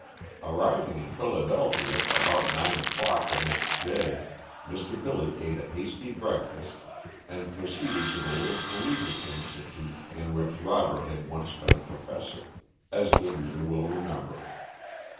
Arriving in Philadelphia about nine o'clock the next day, Mr. Billy ate a hasty breakfast and proceeded to the little collegiate institute in which Robert had once been a professor, as the reader will remember.